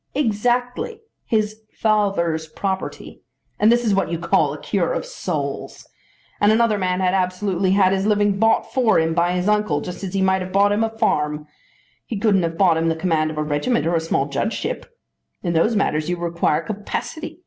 "Exactly; his father's property! And this is what you call a cure of souls! And another man had absolutely had his living bought for him by his uncle, just as he might have bought him a farm. He couldn't have bought him the command of a regiment or a small judgeship. In those matters you require capacity.